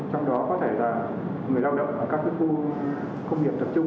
trong đó có thể là người lao động ở các khu công nghiệp tập trung